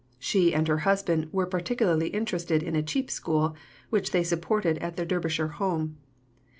She and her husband were particularly interested in a "cheap school" which they supported at their Derbyshire home.